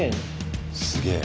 すげえ。